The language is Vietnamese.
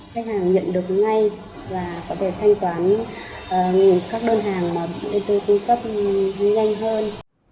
khách hàng nhận được ngay và có thể thanh toán các đơn hàng mà nên tôi cung cấp nhanh hơn